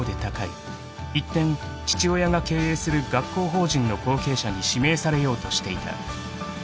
［一転父親が経営する学校法人の後継者に指名されようとしていた］